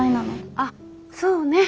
あっそうね。